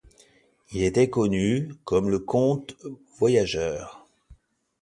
Il était aussi connu comme le comte voyageur.